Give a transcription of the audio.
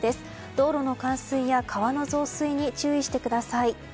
道路の冠水や川の増水に注意してください。